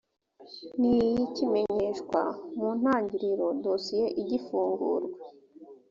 n iyi kimenyeshwa mu ntangiriro dosiye igifungurwa